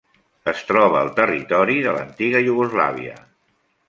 Es troba al territori de l'antiga Iugoslàvia.